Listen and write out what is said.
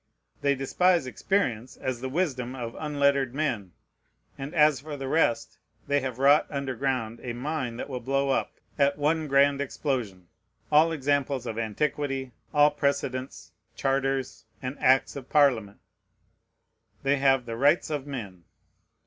They despise experience as the wisdom of unlettered men; and as for the rest, they have wrought under ground a mine that will blow up, at one grand explosion, all examples of antiquity, all precedents, charters, and acts of Parliament. They have "the rights of men."